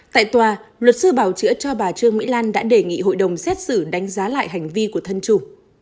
tại tòa luật sư bảo chữa cho bà trương mỹ lan đã đề nghị hội đồng xét xử đánh giá lại hành vi của thân chủ